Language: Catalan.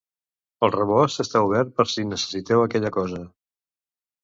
El rebost està obert per si necessiteu aquella cosa.